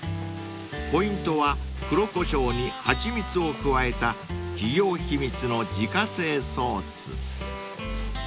［ポイントは黒コショウに蜂蜜を加えた企業秘密の自家製ソース］